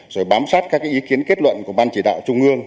rồi bám sát các ý kiến kết luận của ban chỉ đạo trung ương